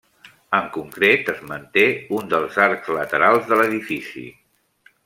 En concret es manté un dels arcs laterals de l'edifici.